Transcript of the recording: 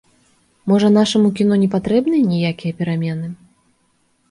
Можа, нашаму кіно не патрэбныя ніякія перамены?